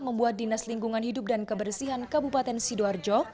membuat dinas lingkungan hidup dan kebersihan kabupaten sidoarjo